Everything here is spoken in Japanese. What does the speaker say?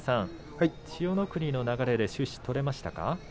千代の国の流れで終始、取れましたか？